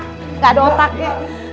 tidak ada otaknya